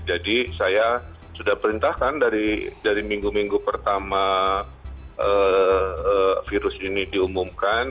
jadi saya sudah perintahkan dari minggu minggu pertama virus ini diumumkan